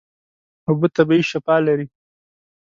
اوبه طبیعي شفاء لري.